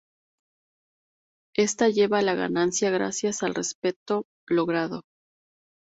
Ésta lleva a la ganancia, gracias al respeto logrado.